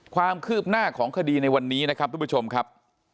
ความคืบหน้าของคดีในวันนี้นะครับทุกผู้ชมครับ